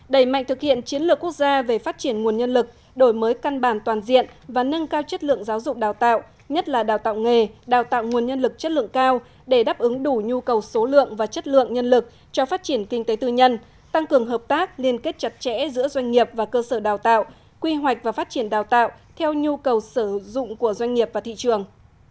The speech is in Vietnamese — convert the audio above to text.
đẩy mạnh thực hiện chiến lược quốc gia về phát triển nguồn nhân lực đổi mới căn bản toàn diện và nâng cao chất lượng giáo dục đào tạo nhất là đào tạo nghề đào tạo nguồn nhân lực chất lượng cao để đáp ứng đủ nhu cầu số lượng và chất lượng nhân lực cho phát triển kinh tế tư nhân tăng cường hợp tác liên kết chặt chẽ giữa doanh nghiệp và cơ sở đào tạo quy hoạch và phát triển đào tạo theo nhu cầu sử dụng của doanh nghiệp và thị trường